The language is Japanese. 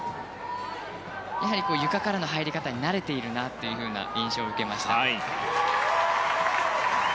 ゆかからの入り方に慣れているなという印象を受けました。